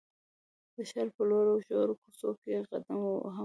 د ښار په لوړو او ژورو کوڅو کې قدم ووهم.